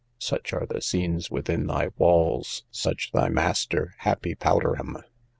Such are the scenes within thy walls, such thy master, happy Powderham!